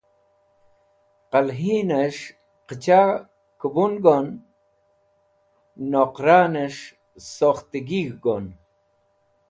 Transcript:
Qẽlhinẽs̃h qẽcha kẽbun gon noqranẽs̃h sokhtẽgig̃h gon.